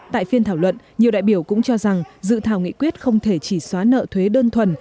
tại phiên thảo luận nhiều đại biểu cũng cho rằng dự thảo nghị quyết không thể chỉ xóa nợ thuế đơn thuần